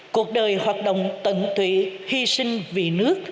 cuộc đời hoạt động tận tụy hy sinh vì nước